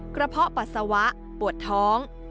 เพาะปัสสาวะปวดท้อง